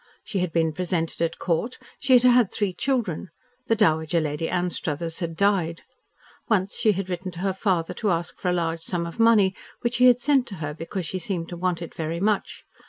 She had been presented at Court, she had had three children, the Dowager Lady Anstruthers had died. Once she had written to her father to ask for a large sum of money, which he had sent to her, because she seemed to want it very much.